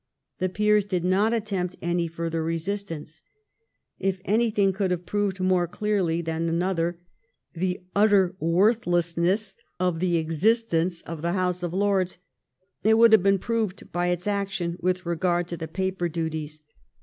The peers did not attempt any further resistance. If anything could have proved more clearly than another the utter worthlessness of the existence of the House of Lords, it would have been proved by its action with regard to the paper duties.